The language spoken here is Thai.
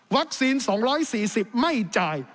วัคซีน๒๔๐ไม่จ่าย